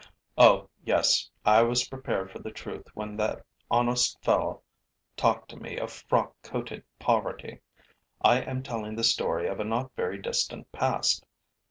Oh, yes, I was prepared for the truth when that honest fellow talked to me of frock coated poverty! I am telling the story of a not very distant past.